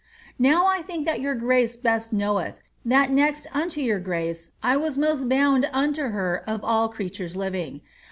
Now I think that your grace best knoweth, that next unto your grace I was most bound unto her of all creatures living.